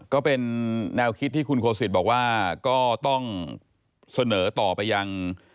ก็เป็นแนวคิดที่คุณโคสิตบอกว่าก็ต้องเสนอต่อไปยัง